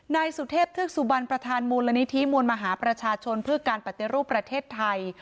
นายสุเทพเทือกสุบันประธานมูลนิธิมวลมหาประชาชนเพื่อการปฏิรูปประเทศไทย